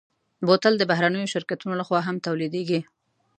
بوتل د بهرنيو شرکتونو لهخوا هم تولیدېږي.